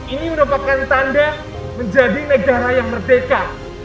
ini merupakan tanda menjadi negara yang merdeka